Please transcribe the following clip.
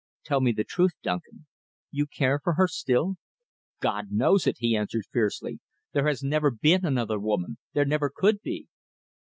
Tell me the truth, Duncan. You care for her still?" "God knows it!" he answered fiercely. "There has never been another woman. There never could be."